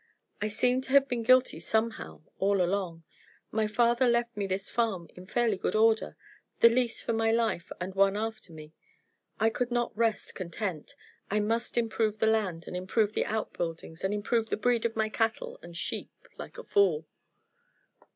"I seem to have been guilty, somehow, all along. My father left me this farm in fairly good order, the lease for my life and one after me. I could not rest content. I must improve the land, and improve the outbuildings, and improve the breed of my cattle and sheep, like a fool."